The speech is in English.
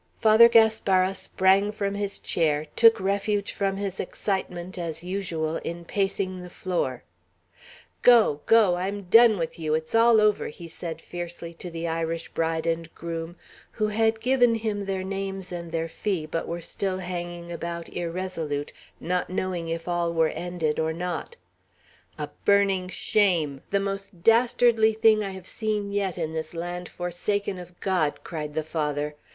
Father Gaspara sprang from his chair, took refuge from his excitement, as usual, in pacing the floor. "Go! go! I'm done with you! It's all over," he said fiercely to the Irish bride and groom, who had given him their names and their fee, but were still hanging about irresolute, not knowing if all were ended or not. "A burning shame! The most dastardly thing I have seen yet in this land forsaken of God!" cried the Father.